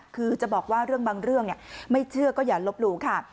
คือจะบอกว่าเรื่องบางเรื่องไม่เชื่อก็อย่าลบหลู่ค่ะ